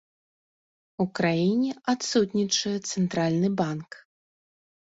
У краіне адсутнічае цэнтральны банк.